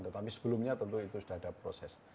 tetapi sebelumnya tentu itu sudah ada proses